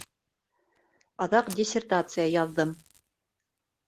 Аҙаҡ диссертация яҙҙым.